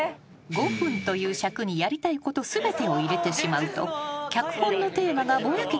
［５分という尺にやりたいこと全てを入れてしまうと脚本のテーマがぼやけてしまう］